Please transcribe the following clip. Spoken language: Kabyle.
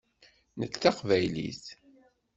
Nekk d taqbaylit.